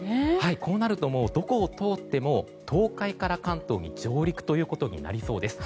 こうなるとどこを通っても東海から関東に上陸ということになりそうです。